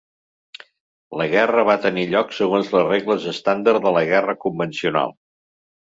La guerra va tenir lloc segons les regles estàndard de la guerra convencional.